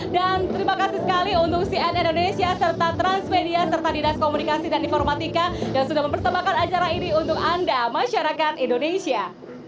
dan terima kasih sekali untuk cn indonesia serta transmedia serta dinas komunikasi dan informatika yang sudah mempersetapkan acara ini untuk anda masyarakat indonesia